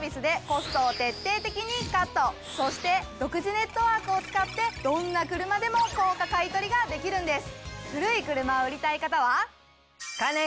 そして独自ネットワークを使ってどんな車でも高価買取ができるんです！